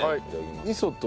味噌と。